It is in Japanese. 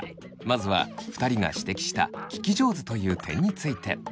まずは２人が指摘した聞き上手という点について。